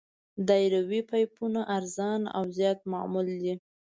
دایروي پایپونه ارزانه او زیات معمول دي